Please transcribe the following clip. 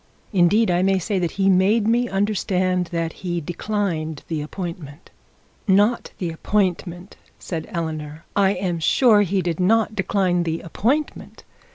Indeed, I may say that he made me understand that he declined the appointment.' 'Not the appointment,' said Eleanor. 'I am sure he did not decline the appointment.